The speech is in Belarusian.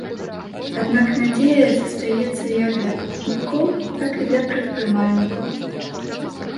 Аднак надзея застаецца як для пакупнікоў, так і для прадпрымальнікаў.